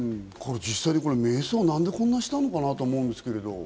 実際、なんでこんな迷走したのかなと思うんですけど。